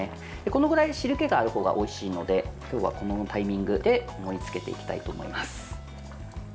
このぐらい汁けがあるほうがおいしいので今日はこのタイミングで盛りつけていきたいと思います。